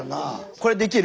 これできる？